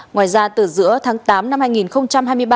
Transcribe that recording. ngoài ra từ giữa tháng tám năm hai nghìn hai mươi ba